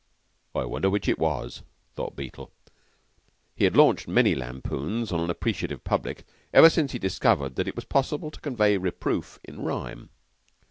"Wonder which it was," thought Beetle. He had launched many lampoons on an appreciative public ever since he discovered that it was possible to convey reproof in rhyme.